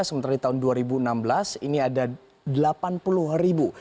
sementara di tahun dua ribu enam belas ini ada delapan puluh ribu